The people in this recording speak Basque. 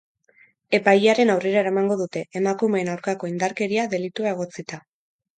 Epailearen aurrera eramango dute, emakumeen aurkako indarkeria delitua egotzita.